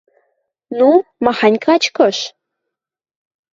– Ну, махань качкыш?